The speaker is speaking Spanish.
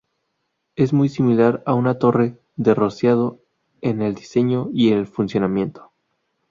Es muy similar a una torre de rociado en el diseño y el funcionamiento.